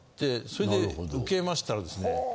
それで受けましたらですね